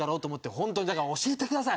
本当にだから教えてください！